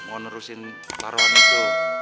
mau nerusin taruhan itu